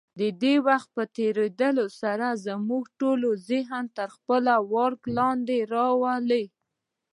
د وخت په تېرېدو سره زموږ ټول ذهن تر خپلې ولکې لاندې راولي.